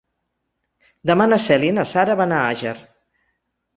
Demà na Cèlia i na Sara van a Àger.